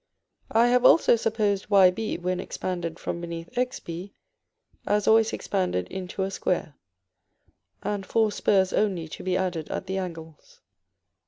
I have also supposed Yb, when expanded from beneath Xb, as always expanded into a square, and four spurs only to be added at the angles.